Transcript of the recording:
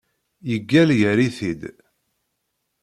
Yeggal yerr-it-id.